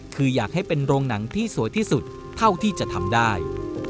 คืออยากให้เป็นโรงหนังที่สวยที่สุดเท่าที่จะทำได้